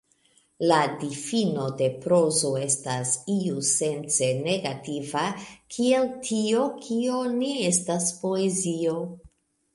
La difino de prozo estas iusence negativa, kiel tio, kio ne estas poezio.